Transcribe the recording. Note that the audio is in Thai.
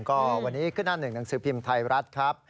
ก็วันนี้ขึ้นหน้าหนึ่งหนังสือพิมพ์ไทยรัฐครับ